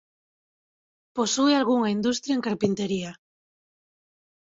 Posúe algunha industria en carpintaría.